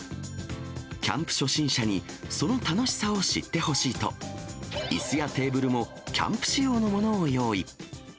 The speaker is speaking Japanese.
キャンプ初心者にその楽しさを知ってほしいと、いすやテーブルもキャンプ仕様のものを用意。